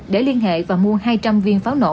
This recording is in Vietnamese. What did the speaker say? để liên hệ và mua hai trăm linh viên pháo nổ